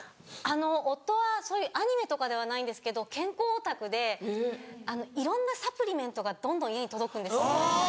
夫はそういうアニメとかではないんですけど健康オタクでいろんなサプリメントがどんどん家に届くんですね。